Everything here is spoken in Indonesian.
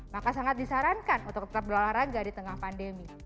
maka sangat disarankan untuk tetap berolahraga di tengah pandemi